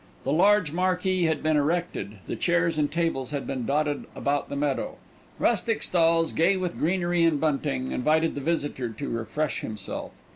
The large marquee had been erected, the chairs and tables had been dotted about the meadow. Rustic stalls, gay with greenery and bunting, invited the visitor to refresh himself.